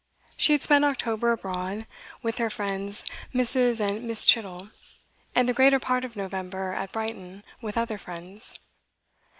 She had spent October abroad, with her friends Mrs. and Miss. Chittle, and the greater part of November at Brighton, with other friends.